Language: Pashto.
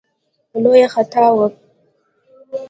لویه خطا وه.